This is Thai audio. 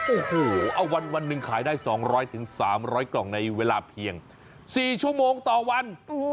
โอ้โหเอาวันหนึ่งขายได้๒๐๐๓๐๐กล่องในเวลาเพียง๔ชั่วโมงต่อวัน